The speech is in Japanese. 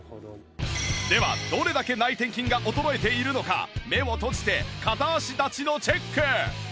ではどれだけ内転筋が衰えているのか目を閉じて片足立ちのチェック